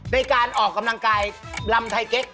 ในการออกกำลังกายลำไทยเก๊ก